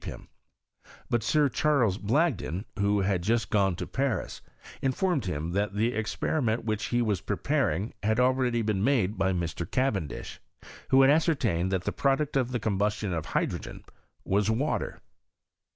II. I ^trt HISTORY OF CIIEMI3T1 him; but Sir Chu'les Blogden, who had just gona to Paris, informed him that the experiment for whicfi he was preparing had already been made by Mr. Cavendish, who had ascertained that the product of the combustion of hydrogen was water.